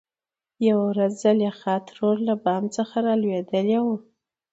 يوه ورځ زليخا ترور له بام څخه رالوېدلې وه .